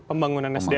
pembangunan sdm nya ya